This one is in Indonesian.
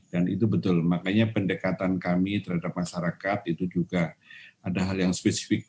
dan itu betul makanya pendekatan kami terhadap masyarakat itu juga ada hal yang spesifik